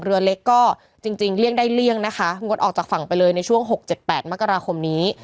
เรือเล็กก็จริงเลี่ยงได้เลี่ยงนะคะงดออกจากฝั่งไปเลยในช่วง๖๗๘มกราคมนี้